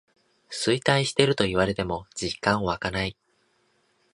衰退してると言われても実感わかない